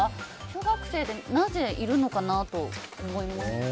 小学生でなぜいるのかなと思いましたね。